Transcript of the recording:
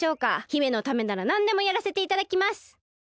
姫のためならなんでもやらせていただきます。